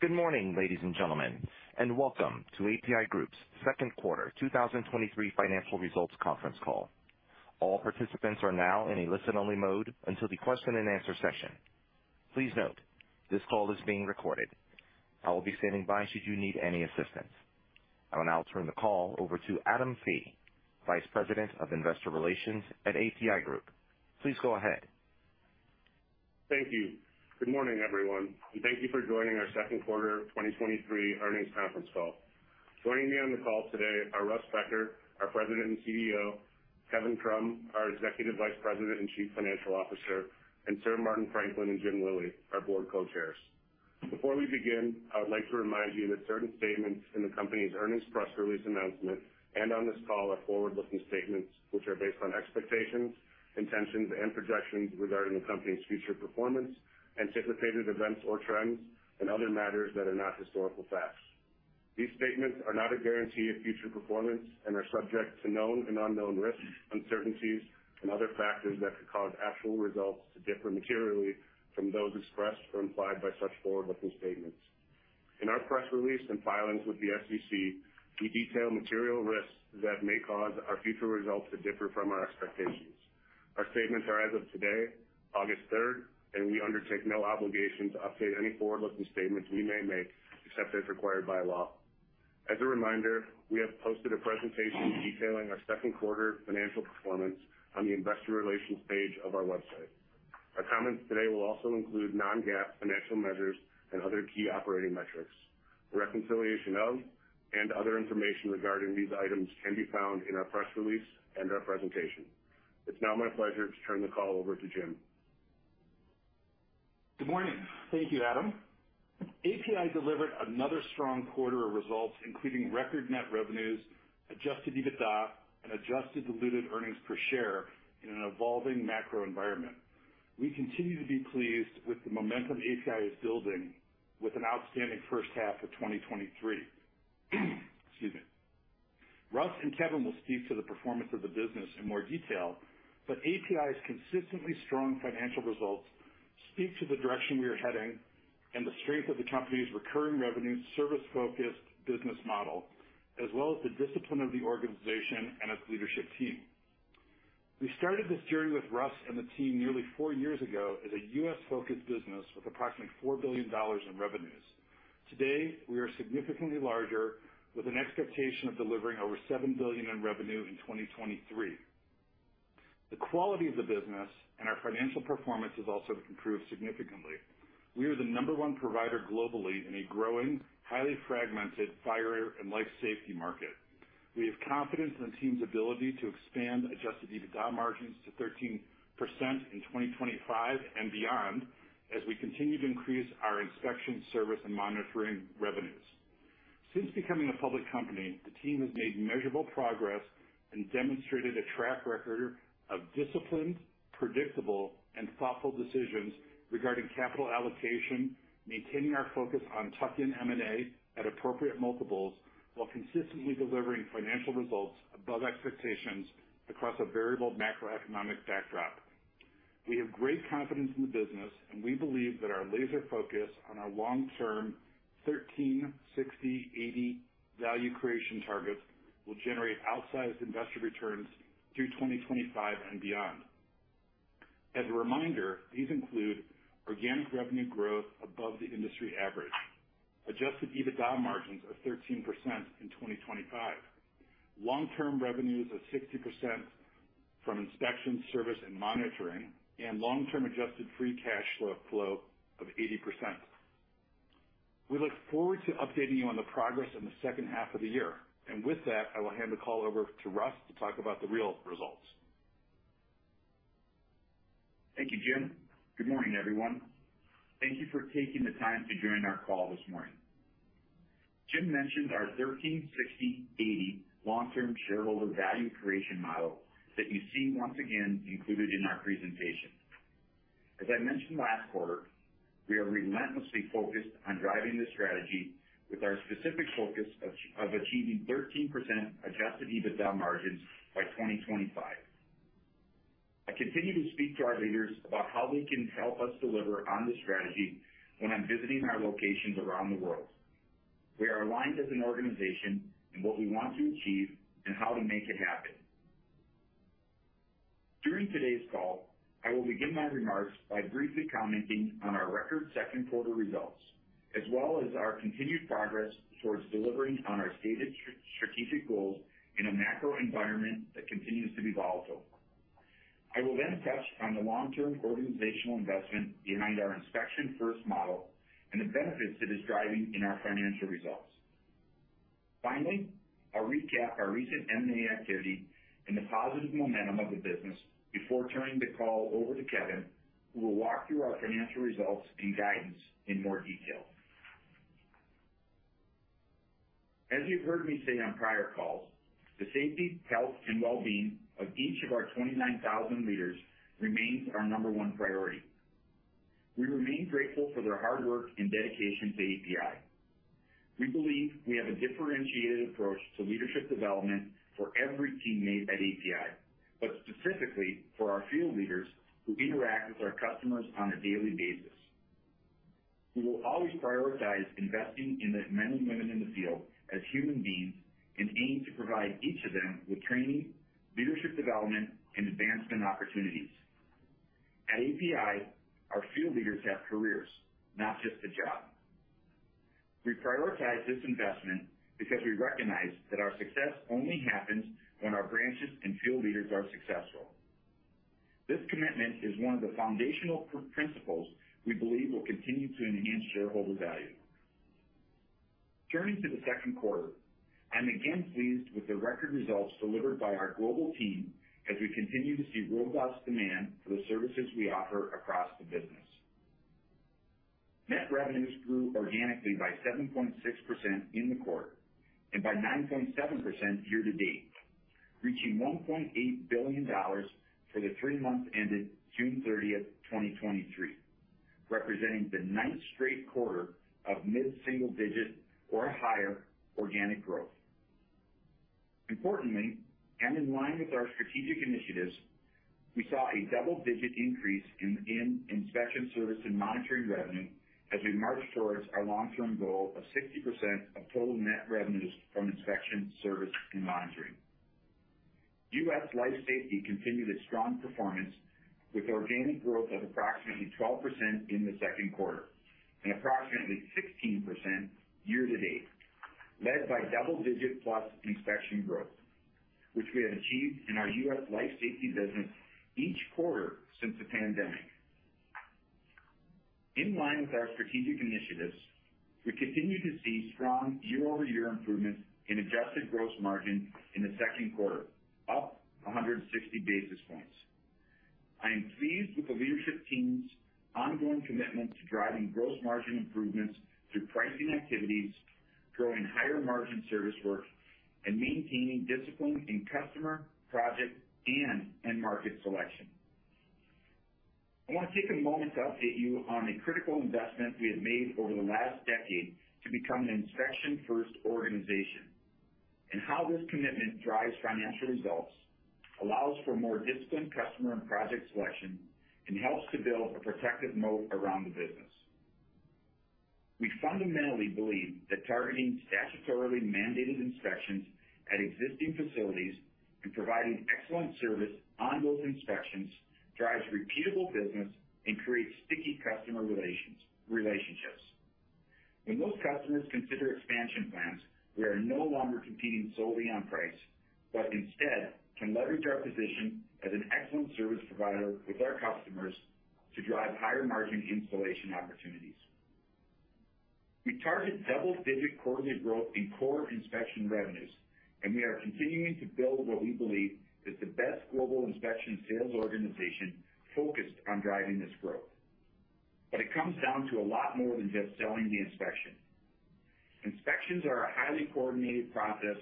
Good morning, ladies and gentlemen, and welcome to APi Group's second quarter 2023 financial results conference call. All participants are now in a listen-only mode until the question and answer session. Please note, this call is being recorded. I will be standing by should you need any assistance. I will now turn the call over to Adam Fee, Vice President of Investor Relations at APi Group. Please go ahead. Thank you. Good morning, everyone, and thank you for joining our second quarter 2023 earnings conference call. Joining me on the call today are Russ Becker, our President and CEO, Kevin Krumm, our Executive Vice President and Chief Financial Officer, and Sir Martin Franklin and Jim Lillie, our Board Co-Chairs. Before we begin, I would like to remind you that certain statements in the company's earnings press release announcement and on this call are forward-looking statements, which are based on expectations, intentions, and projections regarding the company's future performance, anticipated events or trends, and other matters that are not historical facts. These statements are not a guarantee of future performance and are subject to known and unknown risks, uncertainties, and other factors that could cause actual results to differ materially from those expressed or implied by such forward-looking statements. In our press release and filings with the SEC, we detail material risks that may cause our future results to differ from our expectations. Our statements are as of today, August 3rd, and we undertake no obligation to update any forward-looking statements we may make, except as required by law. As a reminder, we have posted a presentation detailing our second quarter financial performance on the investor relations page of our website. Our comments today will also include non-GAAP financial measures and other key operating metrics. Reconciliation of and other information regarding these items can be found in our press release and our presentation. It's now my pleasure to turn the call over to Jim. Good morning. Thank you, Adam. APi delivered another strong quarter of results, including record net revenues, adjusted EBITDA, and adjusted diluted earnings per share in an evolving macro environment. We continue to be pleased with the momentum APi is building with an outstanding first half of 2023. Excuse me. Russ and Kevin will speak to the performance of the business in more detail, but APi's consistently strong financial results speak to the direction we are heading and the strength of the company's recurring revenue service-focused business model, as well as the discipline of the organization and its leadership team. We started this journey with Russ and the team nearly four years ago as a U.S.-focused business with approximately $4 billion in revenues. Today, we are significantly larger, with an expectation of delivering over $7 billion in revenue in 2023. The quality of the business and our financial performance has also improved significantly. We are the number one provider globally in a growing, highly fragmented fire and life safety market. We have confidence in the team's ability to expand adjusted EBITDA margins to 13% in 2025 and beyond, as we continue to increase our inspection, service, and monitoring revenues. Since becoming a public company, the team has made measurable progress and demonstrated a track record of disciplined, predictable, and thoughtful decisions regarding capital allocation, maintaining our focus on tuck-in M&A at appropriate multiples, while consistently delivering financial results above expectations across a variable macroeconomic backdrop. We have great confidence in the business, and we believe that our laser focus on our long-term 13, 60, 80 value creation targets will generate outsized investor returns through 2025 and beyond. As a reminder, these include organic revenue growth above the industry average, adjusted EBITDA margins of 13% in 2025, long-term revenues of 60% from inspection, service, and monitoring, and long-term adjusted free cash flow of 80%. We look forward to updating you on the progress in the second half of the year. With that, I will hand the call over to Russ to talk about the real results. Thank you, Jim. Good morning, everyone. Thank you for taking the time to join our call this morning. Jim mentioned our 13/60/80 long-term shareholder value creation model that you see once again included in our presentation. As I mentioned last quarter, we are relentlessly focused on driving this strategy with our specific focus of achieving 13% adjusted EBITDA margins by 2025. I continue to speak to our leaders about how they can help us deliver on this strategy when I'm visiting our locations around the world. We are aligned as an organization in what we want to achieve and how to make it happen. During today's call, I will begin my remarks by briefly commenting on our record second quarter results, as well as our continued progress towards delivering on our stated strategic goals in a macro environment that continues to be volatile. I will touch on the long-term organizational investment behind our inspection-first model and the benefits it is driving in our financial results. Finally, I'll recap our recent M&A activity and the positive momentum of the business before turning the call over to Kevin, who will walk through our financial results and guidance in more detail. As you've heard me say on prior calls, the safety, health, and well-being of each of our 29,000 leaders remains our number one priority. We remain grateful for their hard work and dedication to APi. We believe we have a differentiated approach to leadership development for every teammate at APi, but specifically for our field leaders who interact with our customers on a daily basis. We will always prioritize investing in the men and women in the field as human beings and aim to provide each of them with training, leadership development, and advancement opportunities. At APi, our field leaders have careers, not just a job. We prioritize this investment because we recognize that our success only happens when our branches and field leaders are successful. This commitment is one of the foundational principles we believe will continue to enhance shareholder value. Turning to the second quarter, I'm again pleased with the record results delivered by our global team as we continue to see robust demand for the services we offer across the business. Net revenues grew organically by 7.6% in the quarter and by 9.7% year to date, reaching $1.8 billion for the three months ended June 30, 2023, representing the ninth straight quarter of mid-single digit or higher organic growth. Importantly, and in line with our strategic initiatives, we saw a double-digit increase in inspection, service, and monitoring revenue as we march towards our long-term goal of 60% of total net revenues from inspection, service, and monitoring. U.S. Life Safety continued its strong performance with organic growth of approximately 12% in the second quarter and approximately 16% year to date, led by double-digit plus inspection growth, which we have achieved in our U.S. Life Safety business each quarter since the pandemic. In line with our strategic initiatives, we continue to see strong year-over-year improvements in adjusted gross margin in the second quarter, up 160 basis points. I am pleased with the leadership team's ongoing commitment to driving gross margin improvements through pricing activities, growing higher margin service work, and maintaining discipline in customer, project, and end market selection. I want to take a moment to update you on a critical investment we have made over the last decade to become an inspection-first organization, and how this commitment drives financial results, allows for more disciplined customer and project selection, and helps to build a protective moat around the business. We fundamentally believe that targeting statutorily mandated inspections at existing facilities and providing excellent service on those inspections drives repeatable business and creates sticky customer relationships. When those customers consider expansion plans, we are no longer competing solely on price, but instead can leverage our position as an excellent service provider with our customers to drive higher margin installation opportunities. We target double-digit quarterly growth in core inspection revenues, and we are continuing to build what we believe is the best global inspection sales organization focused on driving this growth. It comes down to a lot more than just selling the inspection. Inspections are a highly coordinated process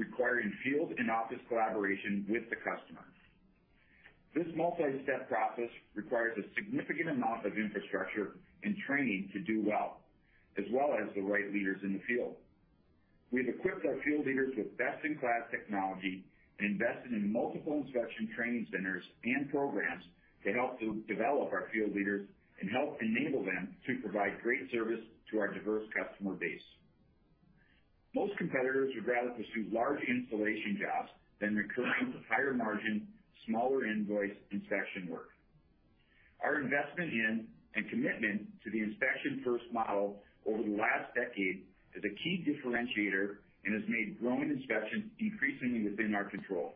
requiring field and office collaboration with the customer. This multi-step process requires a significant amount of infrastructure and training to do well, as well as the right leaders in the field. We've equipped our field leaders with best-in-class technology and invested in multiple inspection training centers and programs to help to develop our field leaders and help enable them to provide great service to our diverse customer base. Most competitors would rather pursue large installation jobs than recurring, higher margin, smaller invoice inspection work. Our investment in and commitment to the inspection-first model over the last decade is a key differentiator and has made growing inspections increasingly within our control.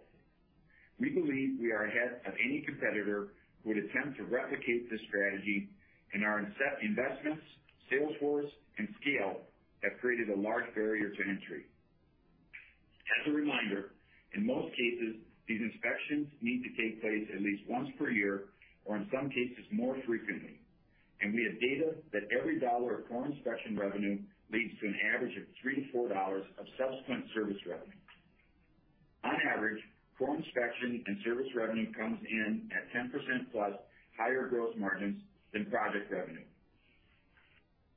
We believe we are ahead of any competitor who would attempt to replicate this strategy, and our investments, sales force, and scale have created a large barrier to entry. As a reminder, in most cases, these inspections need to take place at least once per year, or in some cases, more frequently. We have data that every $1 of core inspection revenue leads to an average of $3-$4 of subsequent service revenue. On average, core inspection and service revenue comes in at 10%+ higher gross margins than project revenue.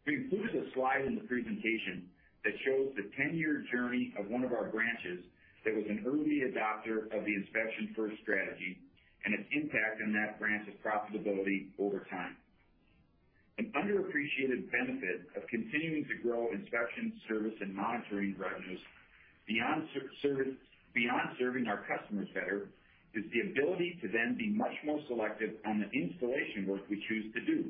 We included a slide in the presentation that shows the 10-year journey of one of our branches that was an early adopter of the inspection-first strategy and its impact on that branch's profitability over time. An underappreciated benefit of continuing to grow inspection, service, and monitoring revenues beyond service beyond serving our customers better, is the ability to then be much more selective on the installation work we choose to do,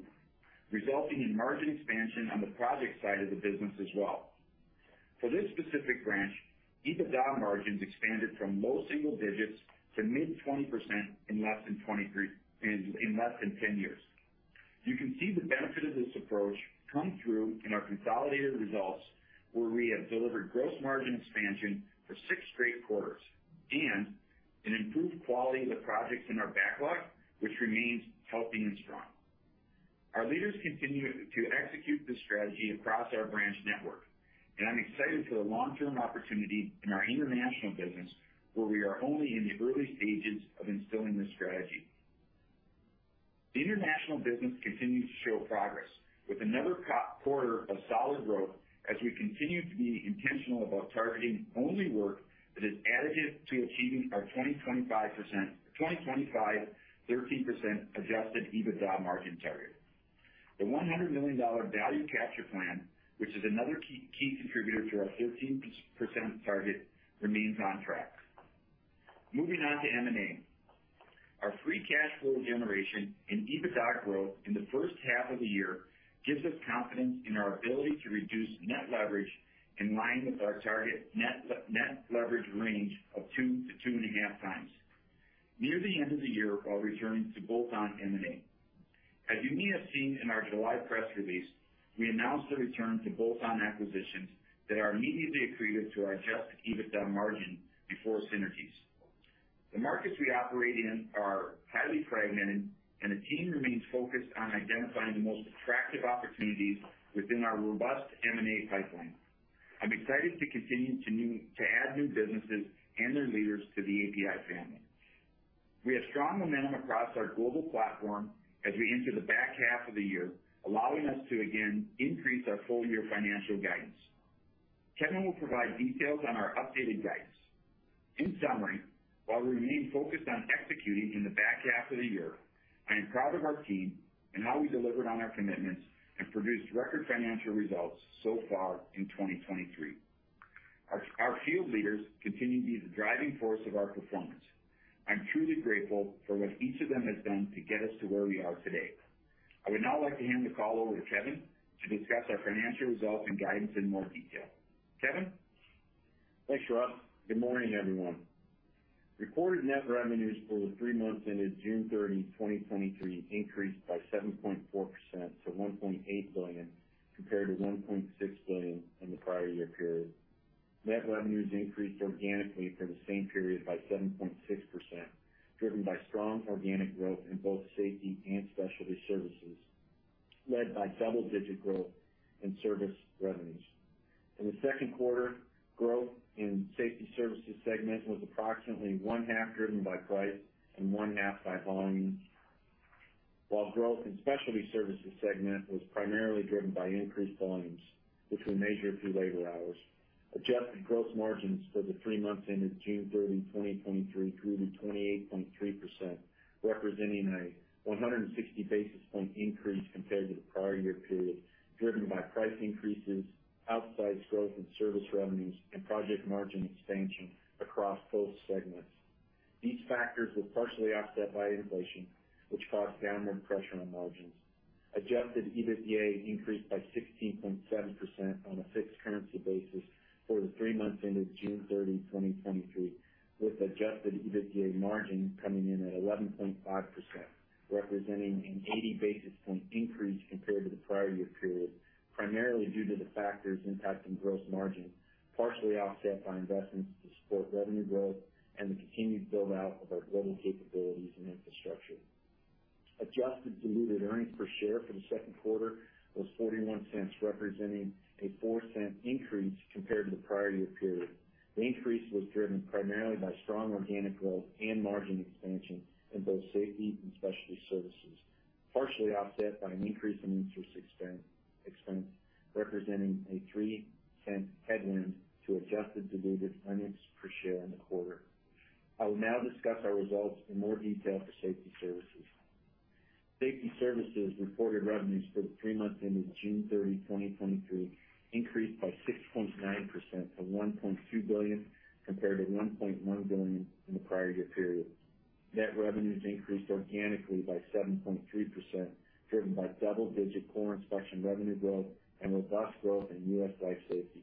resulting in margin expansion on the project side of the business as well. For this specific branch, EBITDA margins expanded from low single digits to mid-20% in less than 10 years. You can see the benefit of this approach come through in our consolidated results, where we have delivered gross margin expansion for six straight quarters and an improved quality of the projects in our backlog, which remains healthy and strong. Our leaders continue to execute this strategy across our branch network. I'm excited for the long-term opportunity in our international business, where we are only in the early stages of instilling this strategy. The international business continues to show progress, with another top quarter of solid growth as we continue to be intentional about targeting only work that is additive to achieving our 2025, 13% adjusted EBITDA margin target. The $100 million value capture plan, which is another key, key contributor to our 13% target, remains on track. Moving on to M&A. Our free cash flow generation and adjusted EBITDA growth in the first half of the year gives us confidence in our ability to reduce net leverage in line with our target net leverage range of 2x-2.5x. Near the end of the year, while returning to bolt-on M&A. As you may have seen in our July press release, we announced a return to bolt-on acquisitions that are immediately accretive to our adjusted EBITDA margin before synergies. The markets we operate in are highly fragmented, and the team remains focused on identifying the most attractive opportunities within our robust M&A pipeline. I'm excited to continue to add new businesses and their leaders to the APi family. We have strong momentum across our global platform as we enter the back half of the year, allowing us to again increase our full year financial guidance. Kevin will provide details on our updated guidance. In summary, while we remain focused on executing in the back half of the year, I am proud of our team and how we delivered on our commitments and produced record financial results so far in 2023. Our field leaders continue to be the driving force of our performance. I'm truly grateful for what each of them has done to get us to where we are today. I would now like to hand the call over to Kevin to discuss our financial results and guidance in more detail. Kevin? Thanks, Russ. Good morning, everyone. Recorded net revenues for the three months ended June 30, 2023, increased by 7.4% to $1.8 billion, compared to $1.6 billion in the prior year period. Net revenues increased organically for the same period by 7.6%, driven by strong organic growth in both Safety Services and Specialty Services, led by double-digit growth in service revenues. In the second quarter, growth in Safety Services segment was approximately 1/2 driven by price and 1/2 by volume. While growth in Specialty Services segment was primarily driven by increased volumes, which we measure through labor hours. Adjusted gross margins for the three months ended June 30, 2023, improved to 28.3%, representing a 160 basis point increase compared to the prior year period, driven by price increases, outsized growth in service revenues, and project margin expansion across both segments. These factors were partially offset by inflation, which caused downward pressure on margins. Adjusted EBITDA increased by 16.7% on a fixed currency basis for the three months ended June 30, 2023, with adjusted EBITDA margin coming in at 11.5%, representing an 80 basis point increase compared to the prior year period, primarily due to the factors impacting gross margin, partially offset by investments to support revenue growth and the continued build-out of our global capabilities and infrastructure. Adjusted diluted earnings per share for the second quarter was $0.41, representing a $0.04 increase compared to the prior year period. The increase was driven primarily by strong organic growth and margin expansion in both Safety Services and Specialty Services, partially offset by an increase in interest expense, representing a $0.03 headwind to adjusted diluted earnings per share in the quarter. I will now discuss our results in more detail for Safety Services. Safety Services reported revenues for the three months ended June 30, 2023, increased by 6.9% to $1.2 billion, compared to $1.1 billion in the prior year period. Net revenues increased organically by 7.3%, driven by double-digit core inspection revenue growth and robust growth in U.S. Life Safety,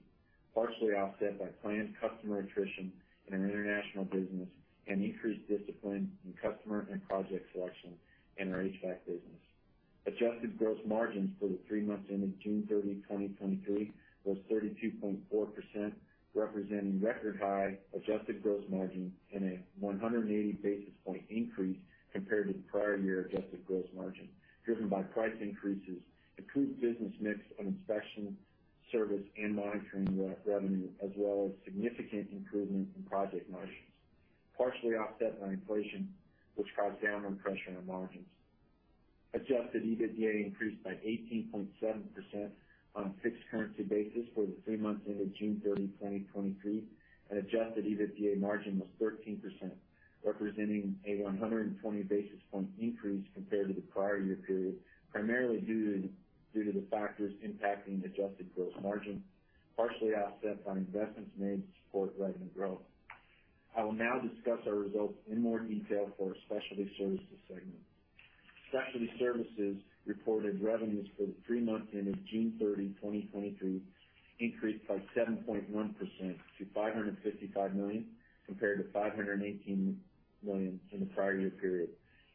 partially offset by planned customer attrition in our international business and increased discipline in customer and project selection in our HVAC business. Adjusted gross margins for the three months ended June 30, 2023, was 32.4%, representing record high adjusted gross margin and a 180 basis point increase compared to the prior year adjusted gross margin, driven by price increases, improved business mix on inspection, service, and monitoring revenue, as well as significant improvement in project margins, partially offset by inflation, which caused downward pressure on margins. Adjusted EBITDA increased by 18.7% on a fixed currency basis for the three months ended June 30, 2023, and adjusted EBITDA margin was 13%, representing a 120 basis point increase compared to the prior year period, primarily due to the factors impacting adjusted gross margin, partially offset by investments made to support revenue growth. I will now discuss our results in more detail for our Specialty Services segment. Specialty Services reported revenues for the three months ended June 30, 2023, increased by 7.1% to $555 million, compared to $518 million in the prior year period,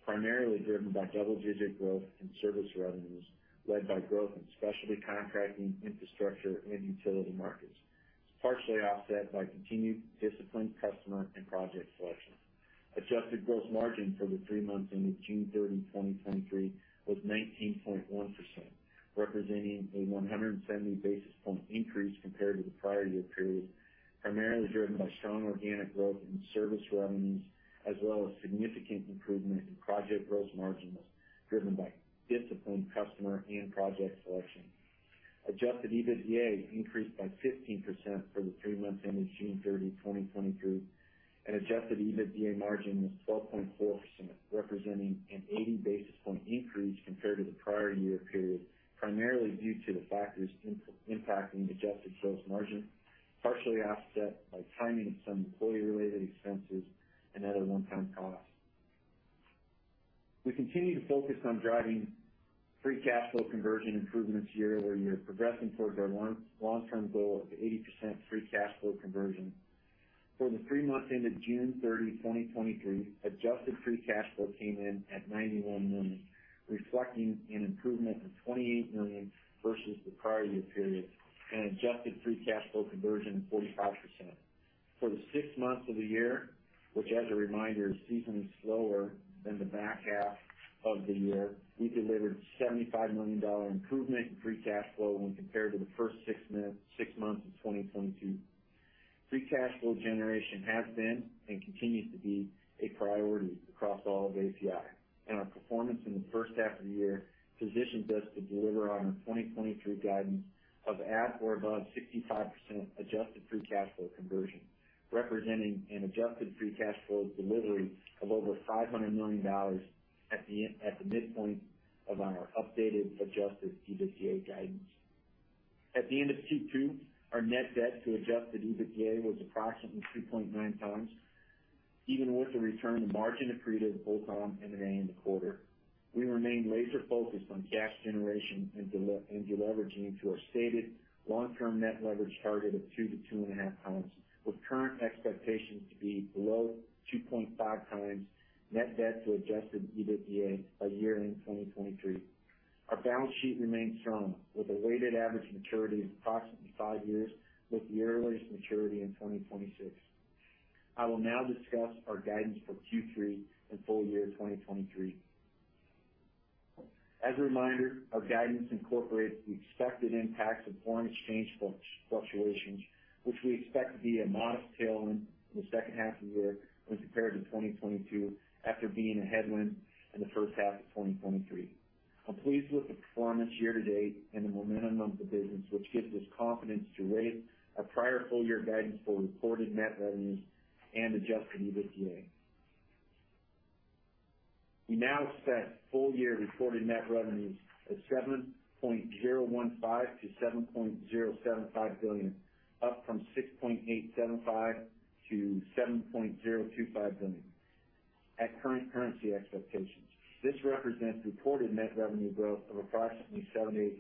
primarily driven by double-digit growth in service revenues, led by growth in specialty contracting, infrastructure, and utility markets, partially offset by continued disciplined customer and project selection. Adjusted gross margin for the three months ended June 30, 2023, was 19.1%, representing a 170 basis point increase compared to the prior year period, primarily driven by strong organic growth in service revenues, as well as significant improvement in project gross margins, driven by disciplined customer and project selection. Adjusted EBITDA increased by 15% for the three months ending June 30, 2023, and adjusted EBITDA margin was 12.4%, representing an 80 basis point increase compared to the prior year period, primarily due to the factors impacting adjusted gross margin, partially offset by timing of some employee-related expenses and other one-time costs. We continue to focus on driving free cash flow conversion improvements year-over-year, progressing towards our long-term goal of 80% free cash flow conversion. For the three months ended June 30, 2023, adjusted free cash flow came in at $91 million, reflecting an improvement of $28 million versus the prior year period, and adjusted free cash flow conversion of 45%. For the six months of the year, which as a reminder, is seasonally slower than the back half of the year, we delivered $75 million improvement in free cash flow when compared to the first six months, six months of 2022. Free cash flow generation has been, and continues to be, a priority across all of APi, and our performance in the first half of the year positions us to deliver on our 2023 guidance of at or above 65% adjusted free cash flow conversion, representing an adjusted free cash flow delivery of over $500 million at the midpoint of our updated adjusted EBITDA guidance. At the end of Q2, our net debt to adjusted EBITDA was approximately 2.9x, even with the return to margin accretive bolt-on and in the quarter. We remain laser focused on cash generation and deleveraging to our stated long-term net leverage target of 2x-2.5x, with current expectations to be below 2.5x net debt to adjusted EBITDA by year-end 2023. Our balance sheet remains strong, with a weighted average maturity of approximately five years, with the earliest maturity in 2026. I will now discuss our guidance for Q3 and full year 2023. As a reminder, our guidance incorporates the expected impacts of foreign exchange fluctuations, which we expect to be a modest tailwind in the second half of the year when compared to 2022, after being a headwind in the first half of 2023. I'm pleased with the performance year to date and the momentum of the business, which gives us confidence to raise our prior full year guidance for reported net revenues and adjusted EBITDA. We now set full year reported net revenues at $7.015 billion-$7.075 billion, up from $6.875 billion-$7.025 billion at current currency expectations. This represents reported net revenue growth of approximately 7%-8%.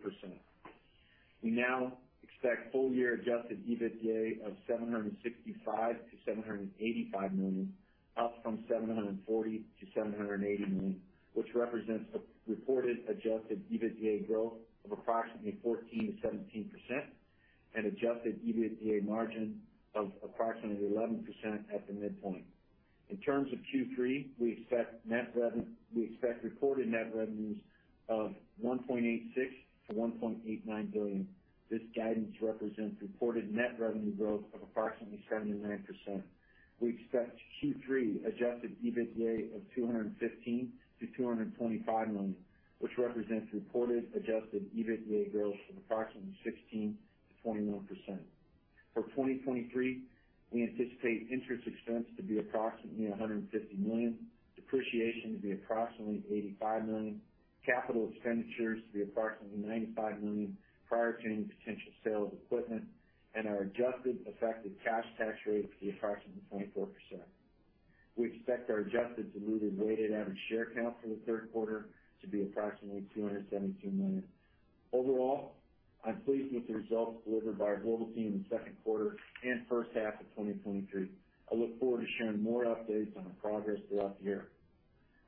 We now expect full year adjusted EBITDA of $765 million-$785 million, up from $740 million-$780 million, which represents a reported adjusted EBITDA growth of approximately 14%-17% and adjusted EBITDA margin of approximately 11% at the midpoint. In terms of Q3, we expect reported net revenues of $1.86 billion-$1.89 billion. This guidance represents reported net revenue growth of approximately 7%-9%. We expect Q3 adjusted EBITDA of $215 million-$225 million, which represents reported adjusted EBITDA growth of approximately 16%-21%. For 2023, we anticipate interest expense to be approximately $150 million, depreciation to be approximately $85 million, capital expenditures to be approximately $95 million prior to any potential sale of equipment, and our adjusted effective cash tax rate to be approximately 24%. We expect our adjusted diluted weighted average share count for the third quarter to be approximately 272 million. Overall, I'm pleased with the results delivered by our global team in the second quarter and first half of 2023. I look forward to sharing more updates on our progress throughout the year.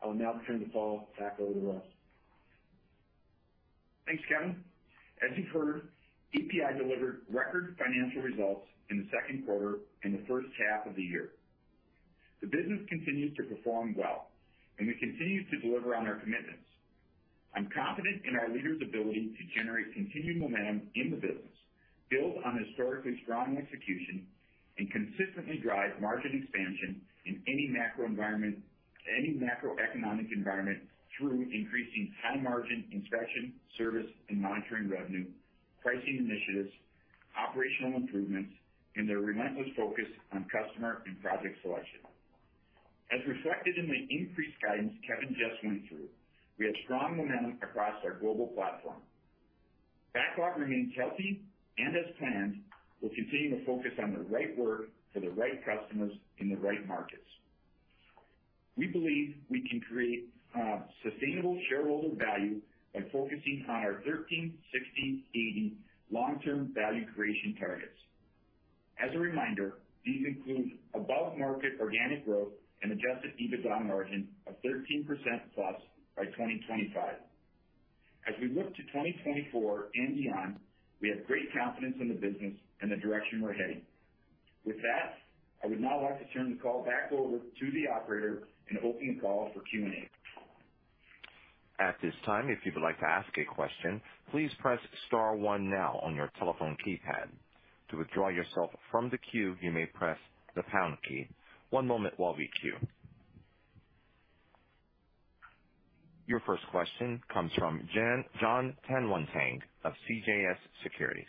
I will now turn the call back over to Russ. Thanks, Kevin. As you've heard, APi delivered record financial results in the second quarter and the first half of the year. The business continues to perform well, and we continue to deliver on our commitments. I'm confident in our leaders' ability to generate continued momentum in the business, build on historically strong execution, and consistently drive margin expansion in any macro environment, any macroeconomic environment, through increasing high margin inspection, service, and monitoring revenue, pricing initiatives, operational improvements, and their relentless focus on customer and project selection. As reflected in the increased guidance Kevin just went through, we have strong momentum across our global platform. Backlog remains healthy. As planned, we'll continue to focus on the right work for the right customers in the right markets. We believe we can create sustainable shareholder value by focusing on our 13/60/80 long-term value creation targets. As a reminder, these include above market organic growth and adjusted EBITDA margin of 13%+ by 2025. As we look to 2024 and beyond, we have great confidence in the business and the direction we're heading. With that, I would now like to turn the call back over to the operator and open the call for Q&A. At this time, if you would like to ask a question, please press star one now on your telephone keypad. To withdraw yourself from the queue, you may press the pound key. One moment while we queue. Your first question comes from John Tanwantang of CJS Securities.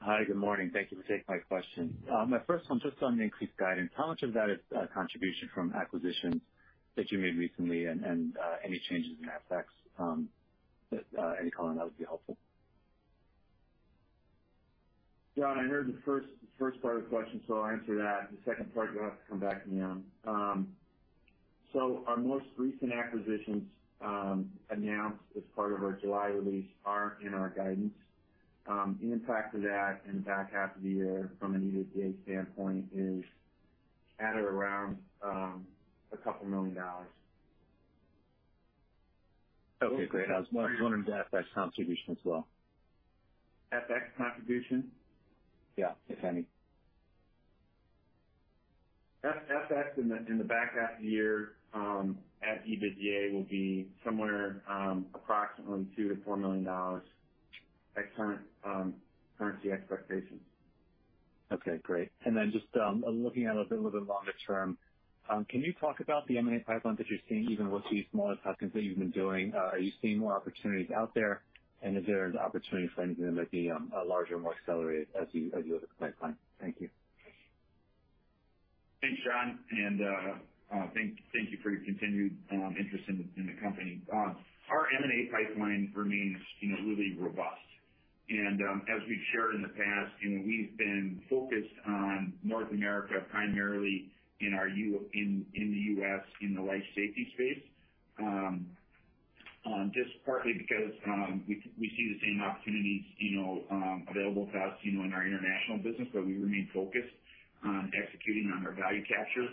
Hi, good morning. Thank you for taking my question. My first one, just on the increased guidance, how much of that is contribution from acquisitions that you made recently and any changes in FX, any comment, that would be helpful? John, I heard the first, first part of the question, so I'll answer that. The second part, you'll have to come back to me on. Our most recent acquisitions, announced as part of our July release, are in our guidance. The impact of that in the back half of the year from an EBITDA standpoint is at or around $2 million. Okay, great. I was more wondering the FX contribution as well. FX contribution? Yeah, if any. FX in the, in the back half of the year, at EBITDA will be somewhere, approximately $2 million-$4 million at current, currency expectations. Okay, great. Then just looking out a little bit longer term, can you talk about the M&A pipeline that you're seeing, even with these smaller transactions that you've been doing? Are you seeing more opportunities out there, and is there an opportunity for anything that might be larger and more accelerated as you, as you look at the pipeline? Thank you. Thanks, John, and thank, thank you for your continued interest in the company. Our M&A pipeline remains, you know, really robust. As we've shared in the past, you know, we've been focused on North America, primarily in our U... In, in the U.S., in the life safety space. Just partly because we, we see the same opportunities, you know, available to us, you know, in our international business. We remain focused on executing on our value capture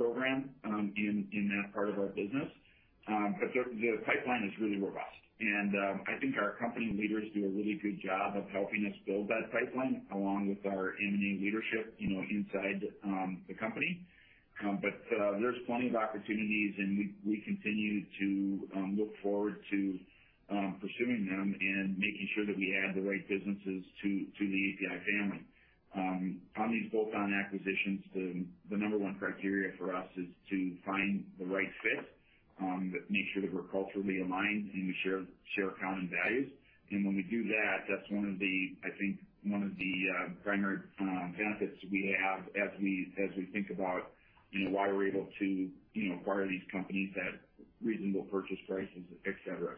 program in that part of our business. The pipeline is really robust, and I think our company leaders do a really good job of helping us build that pipeline, along with our M&A leadership, you know, inside the company. There's plenty of opportunities, and we, we continue to look forward to pursuing them and making sure that we add the right businesses to the APi family. On these bolt-on acquisitions, the number one criteria for us is to find the right fit, but make sure that we're culturally aligned, and we share common values. When we do that, that's one of the... I think, one of the primary benefits we have as we, as we think about, you know, why we're able to, you know, acquire these companies at reasonable purchase prices, et cetera.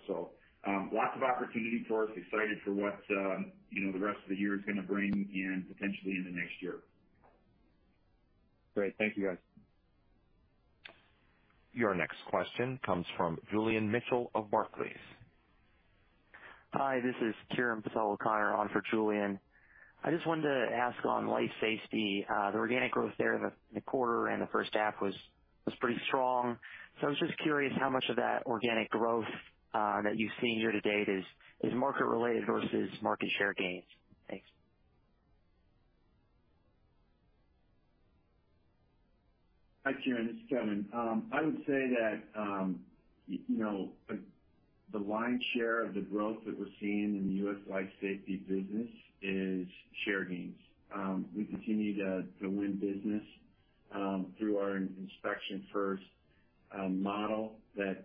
Lots of opportunity for us, excited for what, you know, the rest of the year is going to bring and potentially in the next year. Great. Thank you, guys. Your next question comes from Julian Mitchell of Barclays. Hi, this is Kiran Patel-O'Connor on for Julian. I just wanted to ask on life safety, the organic growth there in the, the quarter and the first half was, was pretty strong. I was just curious how much of that organic growth that you've seen year to date is, is market related versus market share gains? Thanks. Hi, Kiran, it's Kevin. I would say that, you know, the lion's share of the growth that we're seeing in the U.S. Life Safety business is share gains. We continue to, to win business, through our inspection-first model that,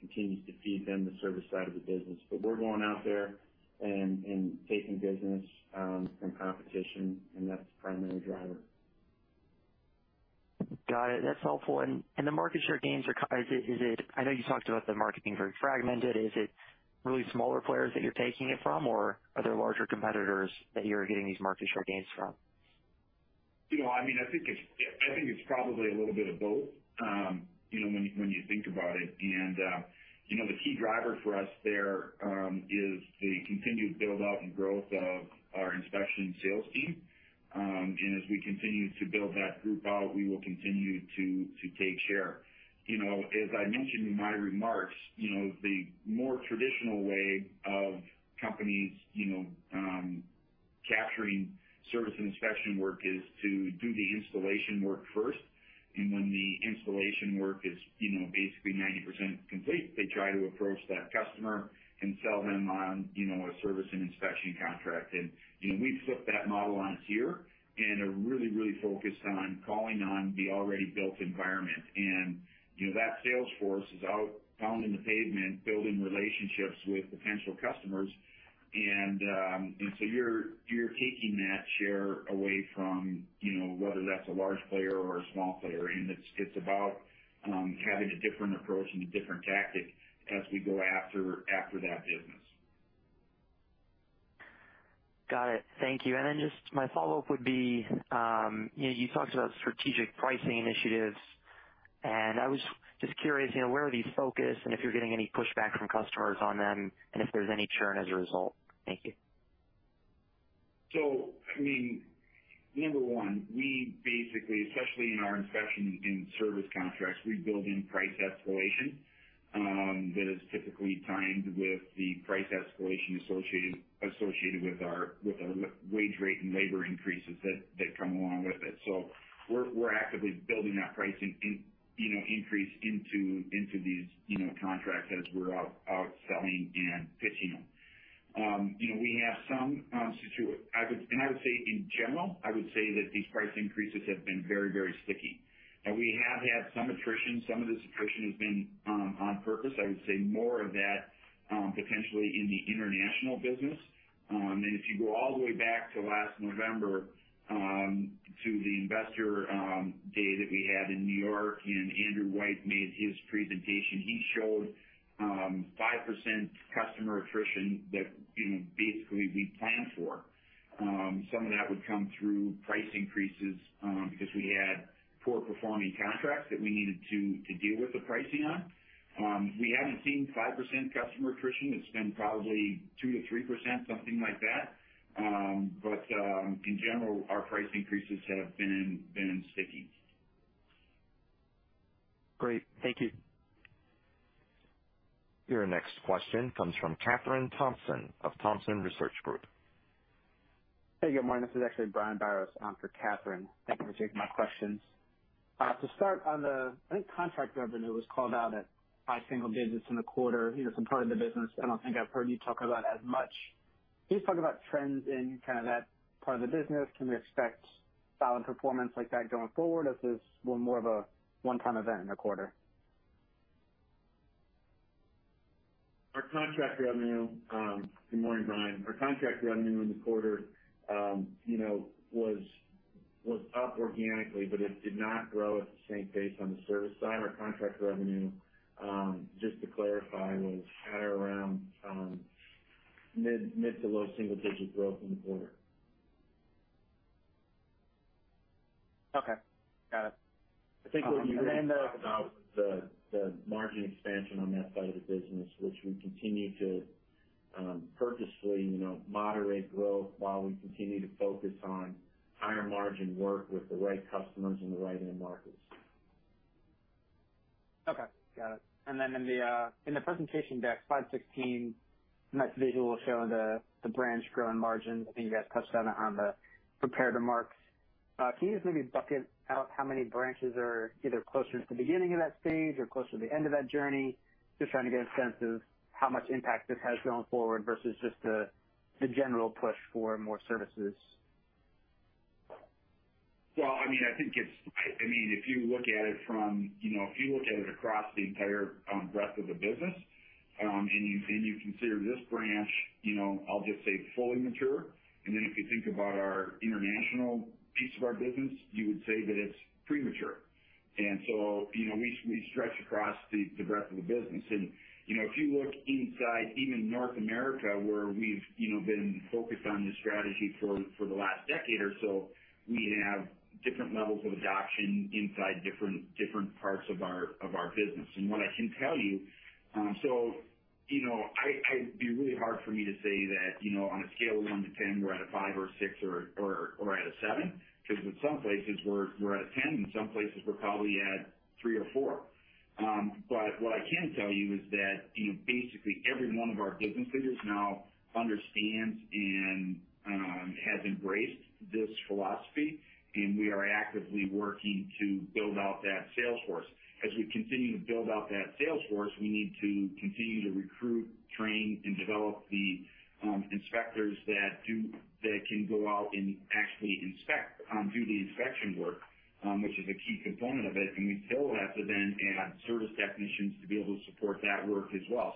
continues to feed, then, the service side of the business. We're going out there and, and taking business, from competition, and that's the primary driver. Got it. That's helpful. And the market share gains are, is it, is it... I know you talked about the market being very fragmented. Is it really smaller players that you're taking it from, or are there larger competitors that you're getting these market share gains from? You know, I mean, I think it's, I think it's probably a little bit of both, you know, when you, when you think about it. You know, the key driver for us there, is the continued build-out and growth of our inspection sales team. As we continue to build that group out, we will continue to, to take share. You know, as I mentioned in my remarks, you know, the more traditional way of companies, you know, capturing service and inspection work is to do the installation work first, and when the installation work is, you know, basically 90% complete, they try to approach that customer and sell them on, you know, a service and inspection contract. You know, we flipped that model on its ear and are really, really focused on calling on the already built environment. You know, that sales force is out pounding the pavement, building relationships with potential customers. You're, you're taking that share away from, you know, whether that's a large player or a small player, and it's, it's about having a different approach and a different tactic as we go after, after that business. Got it. Thank you. Just my follow-up would be, you know, you talked about strategic pricing initiatives, and I was just curious, you know, where are these focused and if you're getting any pushback from customers on them and if there's any churn as a result? Thank you. I mean, Number one, we basically, especially in our inspection and service contracts, we build in price escalation, that is typically timed with the price escalation associated, associated with our, with our wage rate and labor increases that, that come along with it. We're, we're actively building that pricing in, you know, increase into, into these, you know, contracts as we're out, out selling and pitching them. You know, we have some. I would say in general, I would say that these price increases have been very, very sticky. We have had some attrition. Some of this attrition has been on purpose. I would say more of that potentially in the international business. If you go all the way back to last November, to the investor day that we had in New York, and Andrew White made his presentation, he showed 5% customer attrition that, you know, basically we planned for. Some of that would come through price increases, because we had poor performing contracts that we needed to deal with the pricing on. We haven't seen 5% customer attrition. It's been probably 2%-3%, something like that. In general, our price increases have been sticky. Great. Thank you. Your next question comes from Kathryn Thompson of Thompson Research Group. Hey, good morning. This is actually Brian Biros, for Kathryn. Thank you for taking my questions. To start on the, I think, contract revenue was called out at high single digits in the quarter. You know, some part of the business I don't think I've heard you talk about as much. Can you talk about trends in kind of that part of the business? Can we expect solid performance like that going forward, or is this more, more of a one-time event in the quarter? Our contract revenue. Good morning, Brian. Our contract revenue in the quarter, you know, was up organically, but it did not grow at the same pace on the service side. Our contract revenue, just to clarify, was higher around mid to low single digit growth in the quarter. Okay, got it. I think what you really talk about the, the margin expansion on that side of the business, which we continue to, purposefully, you know, moderate growth while we continue to focus on higher margin work with the right customers in the right end markets. Okay, got it. Then in the presentation deck, Slide 16, nice visual showing the branch growing margins. I think you guys touched on it on the prepared remarks. Can you just maybe bucket out how many branches are either closer to the beginning of that stage or closer to the end of that journey? Just trying to get a sense of how much impact this has going forward versus just the general push for more services. Well, I mean, I think it's. I mean, if you look at it from, you know, if you look at it across the entire breadth of the business, and you consider this branch, you know, I'll just say fully mature, and then if you think about our international piece of our business, you would say that it's premature. You know, we stretch across the breadth of the business. You know, if you look inside even North America, where we've, you know, been focused on this strategy for the last decade or so, we have different levels of adoption inside different parts of our business. What I can tell you, you know, I... It'd be really hard for me to say that, you know, on a scale of one to 10, we're at a five or a six, or, or, or at a seven, because in some places, we're, we're at a 10, and some places we're probably at three or four. But what I can tell you is that, you know, basically every one of our business leaders now understands and has embraced this philosophy, and we are actively working to build out that sales force. As we continue to build out that sales force, we need to continue to recruit, train, and develop the inspectors that can go out and actually inspect, do the inspection work, which is a key component of it. We still have to then add service technicians to be able to support that work as well.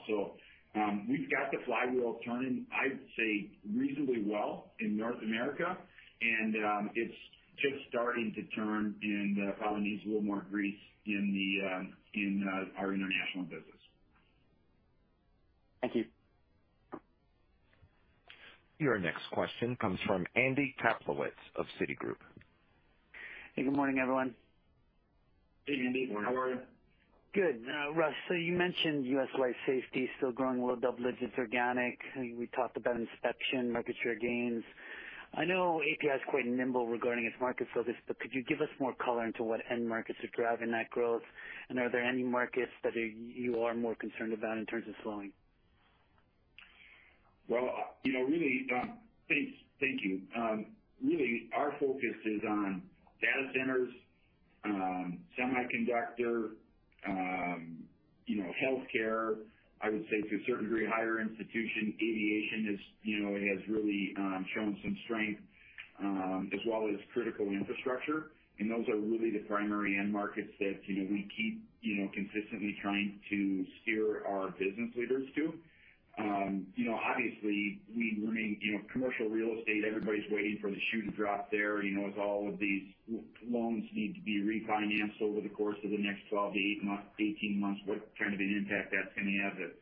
We've got the flywheel turning, I'd say, reasonably well in North America, and it's just starting to turn and probably needs a little more grease in the in our international business. Thank you. Your next question comes from Andy Kaplowitz of Citigroup. Hey, good morning, everyone. Hey, Andy, how are you? Good. Russ, you mentioned U.S. Life Safety still growing low double digits organic. We talked about inspection, market share gains. I know APi is quite nimble regarding its market focus, but could you give us more color into what end markets are driving that growth? Are there any markets that you are more concerned about in terms of slowing? Well, you know, really, thanks. Thank you. Really, our focus is on data centers, semiconductor, you know, healthcare. I would say to a certain degree, higher institution aviation is, you know, it has really shown some strength, as well as critical infrastructure. And those are really the primary end markets that, you know, we keep, you know, consistently trying to steer our business leaders to. You know, obviously, we remain, you know, commercial real estate, everybody's waiting for the shoe to drop there. You know, as all of these loans need to be refinanced over the course of the next 12-18 months, what kind of an impact that's going to have that,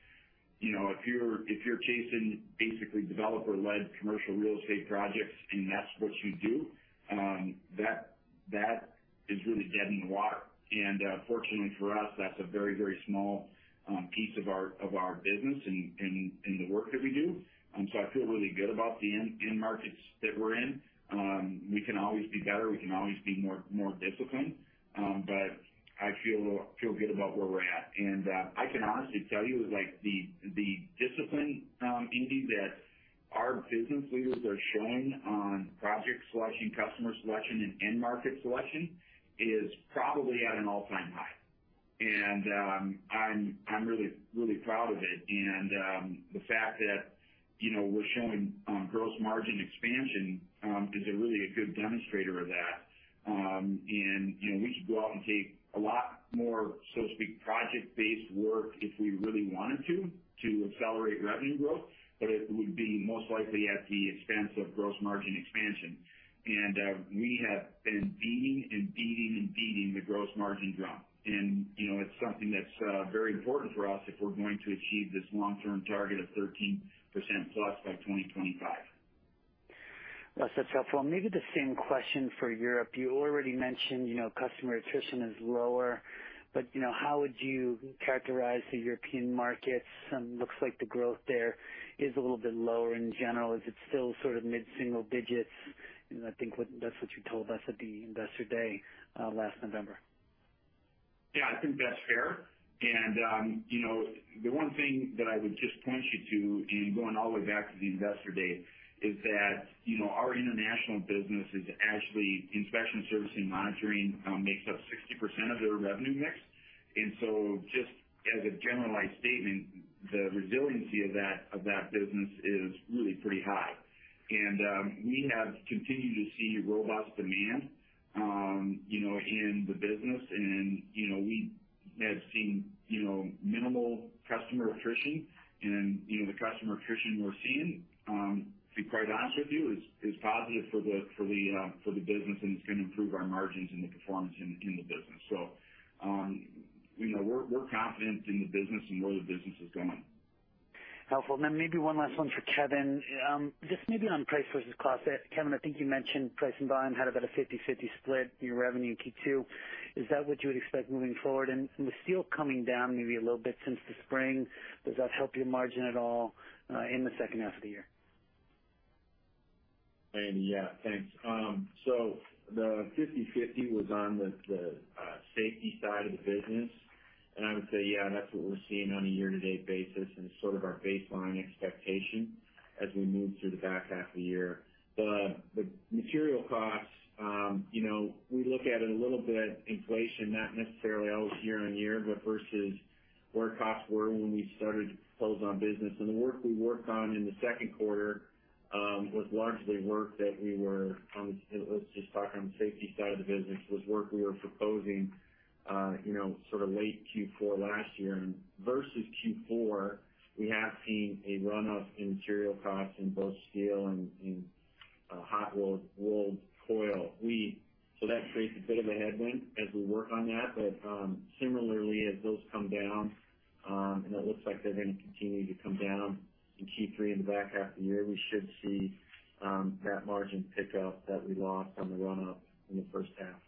you know, if you're, if you're chasing basically developer-led commercial real estate projects, and that's what you do, that. that is really dead in the water. Fortunately for us, that's a very, very small piece of our, of our business and, and, and the work that we do. I feel really good about the end, end markets that we're in. We can always be better, we can always be more, more disciplined, but I feel, feel good about where we're at. I can honestly tell you, like, the, the discipline, Andy, that our business leaders are showing on project selection, customer selection, and end market selection is probably at an all-time high. I'm, I'm really, really proud of it. The fact that, you know, we're showing, gross margin expansion, is a really a good demonstrator of that. You know, we could go out and take a lot more, so to speak, project-based work if we really wanted to, to accelerate revenue growth, but it would be most likely at the expense of gross margin expansion. We have been beating and beating and beating the gross margin drum, and, you know, it's something that's very important for us if we're going to achieve this long-term target of 13%+ by 2025. Well, that's helpful. Maybe the same question for Europe. You already mentioned, you know, customer attrition is lower, but, you know, how would you characterize the European markets? Looks like the growth there is a little bit lower in general. Is it still sort of mid-single digits? You know, I think that's what you told us at the Investor Day, last November. Yeah, I think that's fair. You know, the one thing that I would just point you to, and going all the way back to the Investor Day, is that, you know, our international business is actually inspection, service, and monitoring makes up 60% of their revenue mix. Just as a generalized statement, the resiliency of that, of that business is really pretty high. We have continued to see robust demand, you know, in the business. You know, we have seen, you know, minimal customer attrition. You know, the customer attrition we're seeing, to be quite honest with you, is, is positive for the, for the business, and it's gonna improve our margins and the performance in, in the business. You know, we're, we're confident in the business and where the business is going. Helpful. Then maybe one last one for Kevin. Just maybe on price versus cost, Kevin, I think you mentioned price and volume had about a 50/50 split in your revenue in Q2. Is that what you would expect moving forward? With steel coming down maybe a little bit since the spring, does that help your margin at all in the second half of the year? Andy, yeah, thanks. The 50/50 was on the safety side of the business, and I would say, yeah, that's what we're seeing on a year-to-date basis, and it's sort of our baseline expectation as we move through the back half of the year. The material costs, you know, we look at it a little bit inflation, not necessarily always year-over-year, but versus where costs were when we started to propose on business. The work we worked on in the second quarter was largely work that we were, let's just talk on the safety side of the business, was work we were proposing, you know, sort of late Q4 last year. Versus Q4, we have seen a run-up in material costs in both steel and hot rolled coil. That creates a bit of a headwind as we work on that, but, similarly, as those come down, and it looks like they're going to continue to come down in Q3 in the back half of the year, we should see that margin pick up that we lost on the run-up in the first half.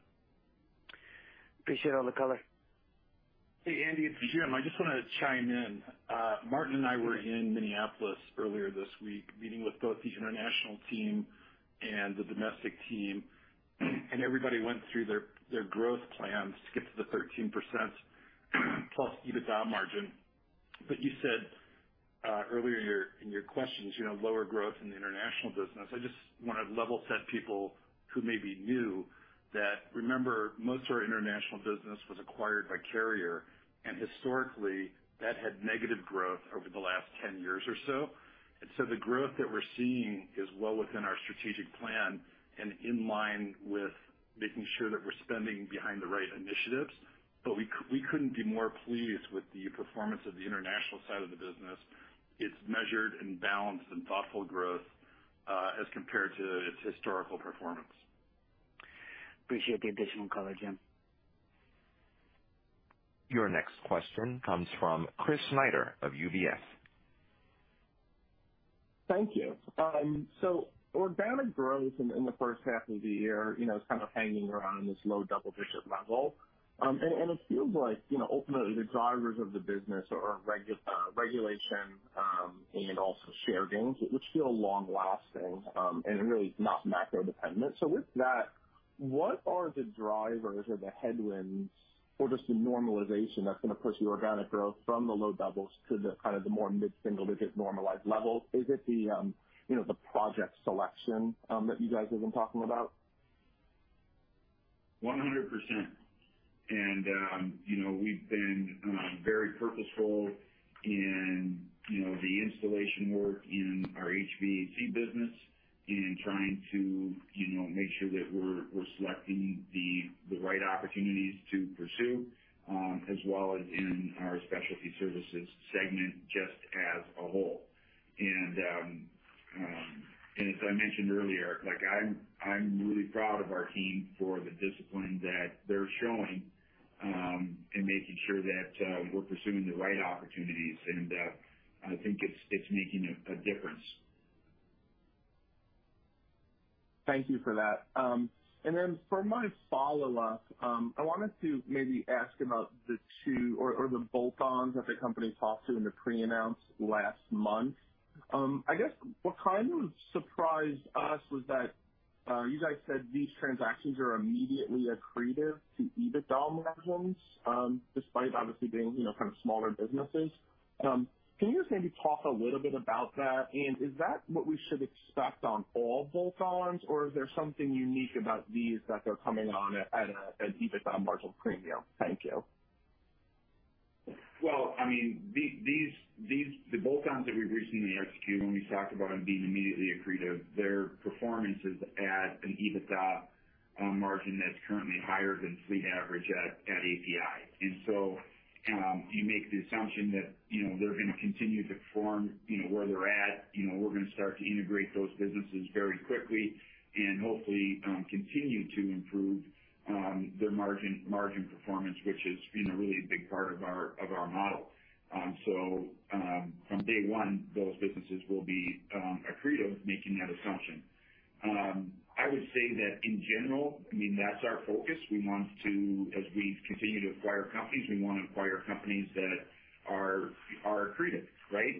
Appreciate all the color. Hey, Andy, it's Jim. I just wanna chime in. Martin and I were in Minneapolis earlier this week, meeting with both the international team and the domestic team, and everybody went through their, their growth plans to get to the 13%+ EBITDA margin. You said, earlier in your, in your questions, you know, lower growth in the international business. I just wanna level set people who may be new, that remember, most of our international business was acquired by Carrier, and historically, that had negative growth over the last 10 years or so. The growth that we're seeing is well within our strategic plan and in line with making sure that we're spending behind the right initiatives. We c- we couldn't be more pleased with the performance of the international side of the business. It's measured in balanced and thoughtful growth, as compared to its historical performance. Appreciate the additional color, Jim. Your next question comes from Chris Snyder of UBS. Thank you. Organic growth in, in the first half of the year, you know, is kind of hanging around this low double-digit level. It feels like, you know, ultimately the drivers of the business are regulation, and also share gains, which feel long lasting, and really not macro dependent. With that, what are the drivers or the headwinds or just the normalization that's gonna push the organic growth from the low doubles to the kind of the more mid-single-digit normalized level? Is it the, you know, the project selection, that you guys have been talking about? 100%. You know, we've been very purposeful in, you know, the installation work in our HVAC business in trying to, you know, make sure that we're, we're selecting the, the right opportunities to pursue, as well as in our Specialty Services segment, just as a whole. As I mentioned earlier, like I'm, I'm really proud of our team for the discipline that they're showing, in making sure that we're pursuing the right opportunities, and, I think it's, it's making a, a difference. Thank you for that. For my follow-up, I wanted to maybe ask about the two bolt-ons that the company talked to in the pre-announce last month. I guess what kind of surprised us was that you guys said these transactions are immediately accretive to EBITDA margins, despite obviously being, you know, kind of smaller businesses. Can you just maybe talk a little bit about that? Is that what we should expect on all bolt-ons, or is there something unique about these that they're coming on at an EBITDA margin premium? Thank you. Well, I mean, the bolt-ons that we've recently executed, when we talked about them being immediately accretive, their performance is at an EBITDA margin that's currently higher than fleet average at APi. You make the assumption that, you know, they're going to continue to perform, you know, where they're at. You know, we're going to start to integrate those businesses very quickly and hopefully, continue to improve their margin, margin performance, which is, you know, really a big part of our, of our model. From day one, those businesses will be accretive, making that assumption. I would say that in general, I mean, that's our focus. We want to, as we continue to acquire companies, we want to acquire companies that are, are accretive, right?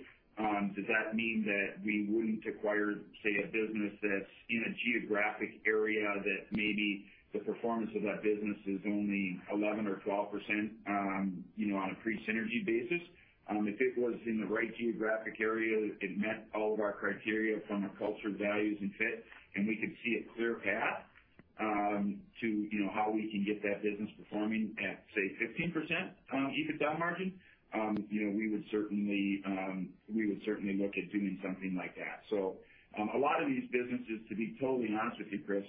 Does that mean that we wouldn't acquire, say, a business that's in a geographic area, that maybe the performance of that business is only 11% or 12%, you know, on a pre-synergy basis? If it was in the right geographic area, it met all of our criteria from a culture, values, and fit, and we could see a clear path to, you know, how we can get that business performing at, say, 15% EBITDA margin, you know, we would certainly, we would certainly look at doing something like that. A lot of these businesses, to be totally honest with you, Chris,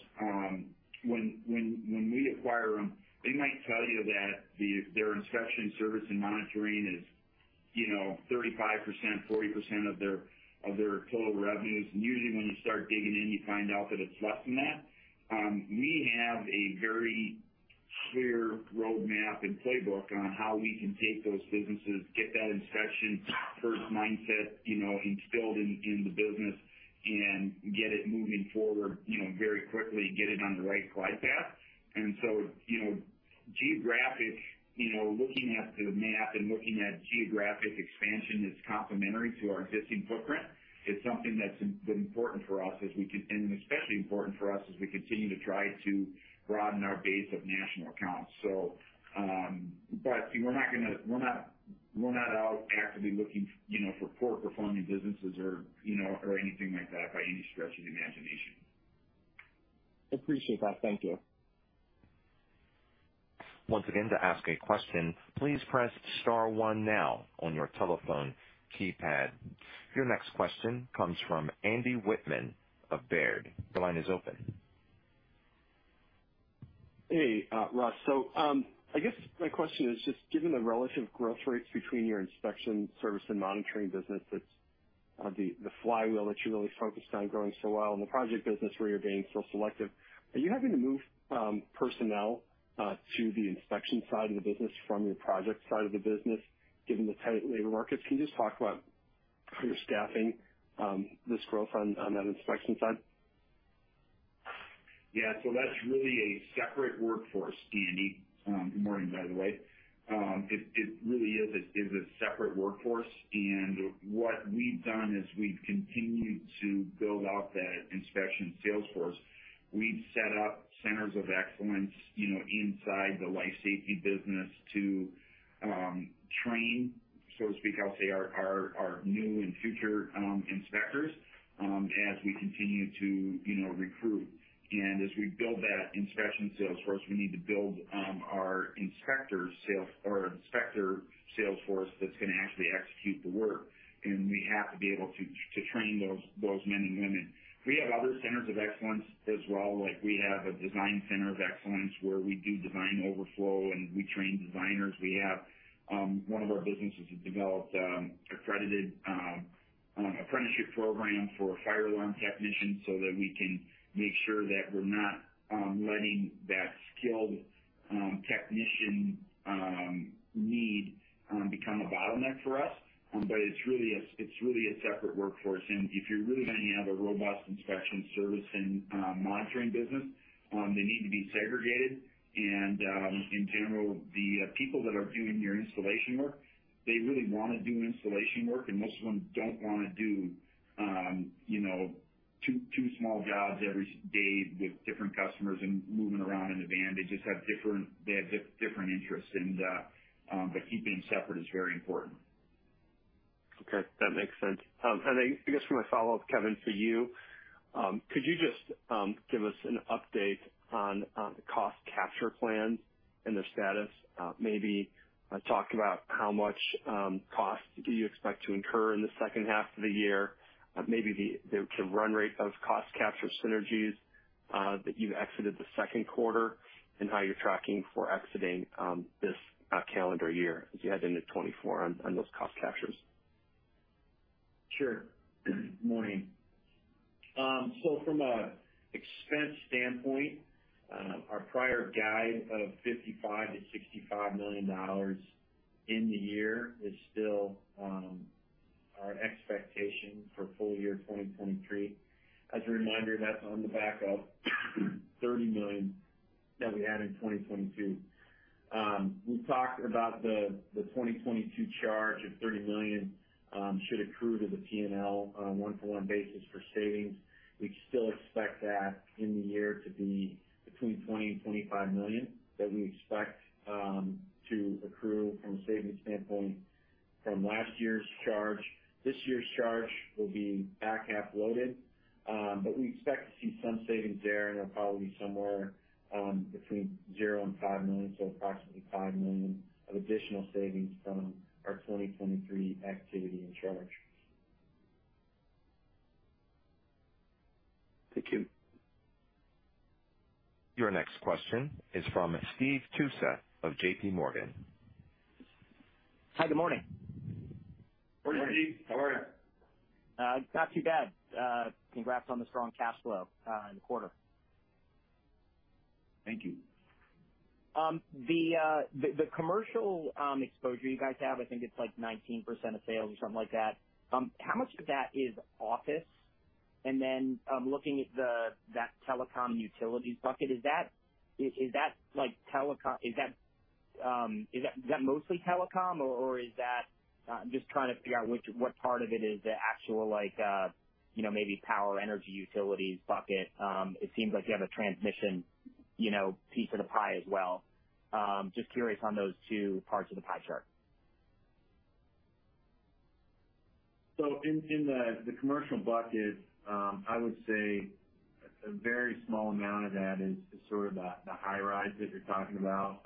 when, when, when we acquire them, they might tell you that their inspection, service, and monitoring is, you know, 35%, 40% of their, of their total revenues. Usually when you start digging in, you find out that it's less than that. We have a very clear roadmap and playbook on how we can take those businesses, get that inspection first mindset, you know, instilled in, in the business and get it moving forward, you know, very quickly and get it on the right glide path. You know, geographic, you know, looking at the map and looking at geographic expansion that's complementary to our existing footprint, is something that's important for us. Especially important for us as we continue to try to broaden our base of national accounts. We're not gonna, we're not, we're not out actively looking, you know, for poor performing businesses or, you know, or anything like that, by any stretch of the imagination. Appreciate that. Thank you. Once again, to ask a question, please press star one now on your telephone keypad. Your next question comes from Andy Wittmann of Baird. Your line is open. Hey, Russ. I guess my question is just given the relative growth rates between your inspection, service, and monitoring business, that's the, the flywheel that you're really focused on growing so well and the project business where you're being so selective, are you having to move personnel to the inspection side of the business from your project side of the business, given the tight labor markets? Can you just talk about how you're staffing this growth on that inspection side? Yeah. That's really a separate workforce, Andy. Good morning, by the way. It, it really is a, is a separate workforce, and what we've done is we've continued to build out that inspection sales force. We've set up centers of excellence, you know, inside the life safety business to, train, so to speak, I'll say, our, our, our new and future, inspectors, as we continue to, you know, recruit. As we build that inspection sales force, we need to build, our inspectors sales... or inspector sales force that's going to actually execute the work, and we have to be able to, to train those, those men and women. We have other centers of excellence as well, like we have a design center of excellence, where we do design overflow, and we train designers. We have one of our businesses has developed accredited apprenticeship program for fire alarm technicians so that we can make sure that we're not letting that skilled technician need become a bottleneck for us. It's really a separate workforce, and if you're really going to have a robust inspection service and monitoring business, they need to be segregated. In general, the people that are doing your installation work, they really want to do installation work, and most of them don't want to do, you know, two small jobs every day with different customers and moving around in a van. They just have different interests, keeping them separate is very important. Okay, that makes sense. I, I guess for my follow-up, Kevin, to you, could you just give us an update on the cost capture plan and the status? Maybe talk about how much cost do you expect to incur in the second half of the year, maybe the, the, the run rate of cost capture synergies that you've exited the second quarter, and how you're tracking for exiting this calendar year as you head into 2024 on those cost captures? Sure. Good morning. So from a expense standpoint, our prior guide of $55 million-$65 million- in the year is still, our expectation for full year 2023. As a reminder, that's on the back of $30 million that we had in 2022. We've talked about the 2022 charge of $30 million, should accrue to the PNL on a one-for-one basis for savings. We still expect that in the year to be between $20 million and $25 million that we expect, to accrue from a savings standpoint from last year's charge. This year's charge will be back-half loaded, but we expect to see some savings there, and they'll probably be somewhere, between $0 and $5 million, so approximately $5 million of additional savings from our 2023 activity and charge. Thank you. Your next question is from Steve Tusa of JPMorgan. Hi, good morning. Morning, Steve. How are you? Not too bad. Congrats on the strong cash flow in the quarter. Thank you. The, the, the commercial exposure you guys have, I think it's, like, 19% of sales or something like that, how much of that is office? Then, looking at the... That telecom and utilities bucket, is that, is, is that, like, telecom? Is that, is that mostly telecom or, or is that... I'm just trying to figure out which, what part of it is the actual like, you know, maybe power energy utilities bucket. It seems like you have a transmission, you know, piece of the pie as well. Just curious on those two parts of the pie chart. In, in the, the commercial bucket, I would say a very small amount of that is sort of the, the high-rise that you're talking about.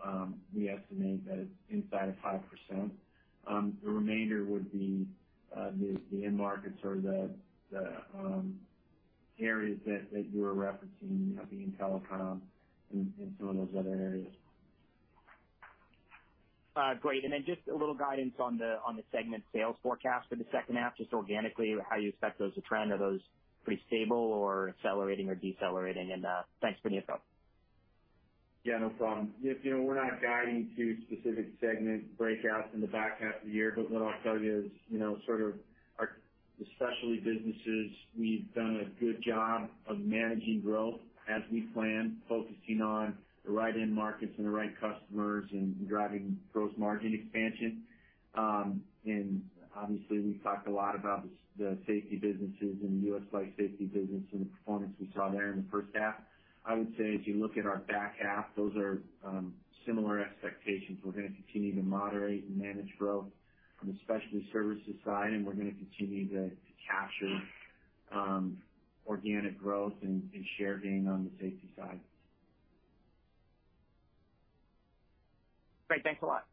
We estimate that it's inside of 5%. The remainder would be, the, the end markets or the, the, areas that, that you were referencing, being telecom and, and some of those other areas. Great. Then just a little guidance on the, on the segment sales forecast for the second half, just organically, how you expect those to trend. Are those pretty stable or accelerating or decelerating? Thanks for any info. Yeah, no problem. You know, we're not guiding to specific segment breakouts in the back half of the year, but what I'll tell you is, you know, sort of our specialty businesses, we've done a good job of managing growth as we plan, focusing on the right end markets and the right customers and driving gross margin expansion. Obviously, we've talked a lot about the safety businesses and the U.S. life safety business and the performance we saw there in the first half. I would say, as you look at our back half, those are similar expectations. We're going to continue to moderate and manage growth from the Specialty Services side, and we're going to continue to capture organic growth and share gain on the Safety side. Great. Thanks a lot.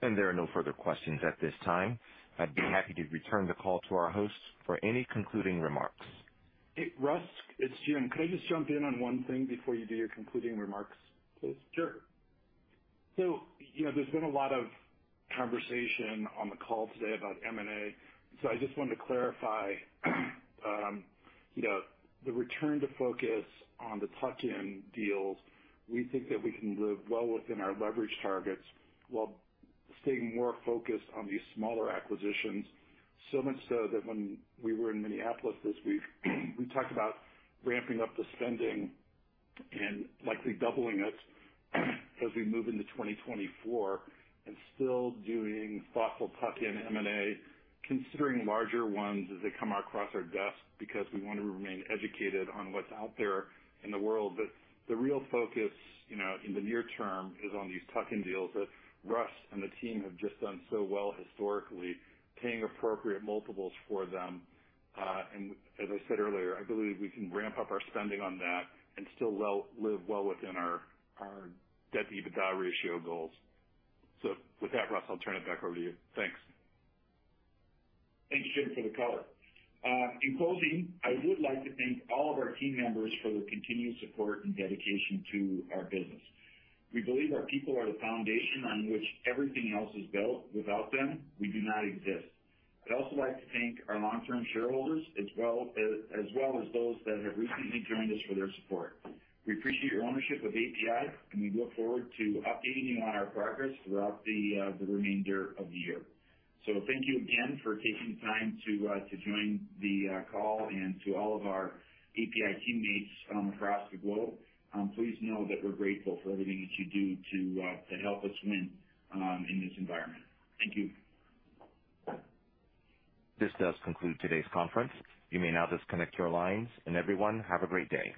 There are no further questions at this time. I'd be happy to return the call to our hosts for any concluding remarks. Hey, Russ, it's Jim. Could I just jump in on one thing before you do your concluding remarks, please? Sure. You know, there's been a lot of conversation on the call today about M&A, so I just wanted to clarify, you know, the return to focus on the tuck-in deals. We think that we can live well within our leverage targets while staying more focused on these smaller acquisitions. Much so that when we were in Minneapolis this week, we talked about ramping up the spending and likely doubling it as we move into 2024 and still doing thoughtful tuck-in M&A, considering larger ones as they come across our desk, because we want to remain educated on what's out there in the world. The real focus, you know, in the near term, is on these tuck-in deals that Russ and the team have just done so well historically, paying appropriate multiples for them. As I said earlier, I believe we can ramp up our spending on that and still, well, live well within our, our debt-EBITDA ratio goals. With that, Russ, I'll turn it back over to you. Thanks. Thanks, Jim, for the color. In closing, I would like to thank all of our team members for their continued support and dedication to our business. We believe our people are the foundation on which everything else is built. Without them, we do not exist. I'd also like to thank our long-term shareholders as well, as well as those that have recently joined us, for their support. We appreciate your ownership of APi, and we look forward to updating you on our progress throughout the remainder of the year. Thank you again for taking the time to join the call. To all of our APi teammates across the globe, please know that we're grateful for everything that you do to help us win in this environment. Thank you. This does conclude today's conference. You may now disconnect your lines, and everyone, have a great day.